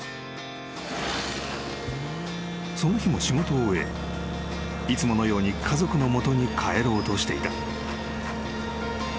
［その日も仕事を終えいつものように家族の元に帰ろうとしていた］